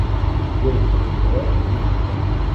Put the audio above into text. Девочка поднялась и вышла.